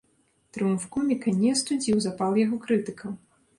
Трыумф коміка не астудзіў запал яго крытыкаў.